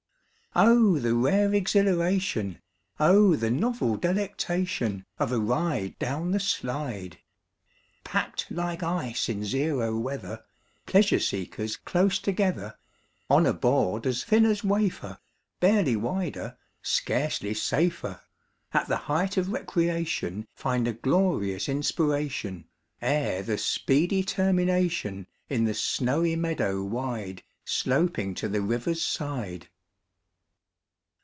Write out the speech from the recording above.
Oh, the rare exhilaration, Oh, the novel delectation Of a ride down the slide! Packed like ice in zero weather, Pleasure seekers close together, On a board as thin as wafer, Barely wider, scarcely safer, At the height of recreation Find a glorious inspiration, Ere the speedy termination In the snowy meadow wide, Sloping to the river's side.